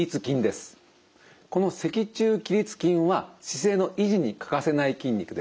この脊柱起立筋は姿勢の維持に欠かせない筋肉です。